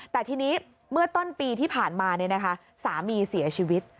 แต่ทีนี้เมื่อต้นปีที่ผ่านมาสามีเสียชีวิต